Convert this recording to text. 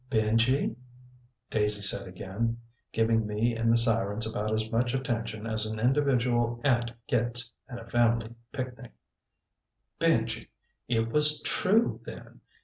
"Benji," Daisy said again, giving me and the sirens about as much attention as an individual ant gets at a family picnic, "Benji, it was true then!